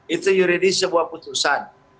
itu yuridis sebuah putusan